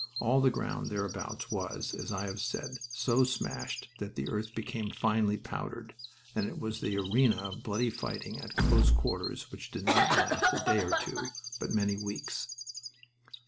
All the ground thereabouts was, as I have said, so smashed that the earth became finely powdered, and it was the arena of bloody fighting at close quarters which did not last a day or two, but many weeks.